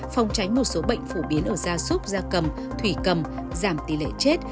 phòng tránh một số bệnh phổ biến ở da súc da cầm thủy cầm giảm tỷ lệ chết